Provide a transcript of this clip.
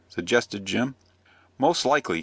suggested Jim. "Most likely.